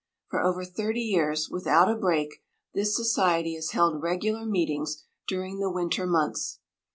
For over thirty years, without a break, this Society has held regular meetings during the winter months.